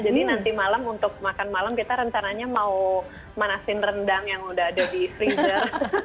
jadi nanti malam untuk makan malam kita rencananya mau manaskan rendang yang udah ada di freezer